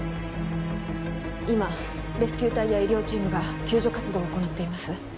今レスキュー隊や医療チームが救助活動を行っています